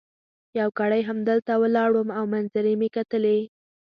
یو ګړی همدلته ولاړ وم او منظرې مي کتلې.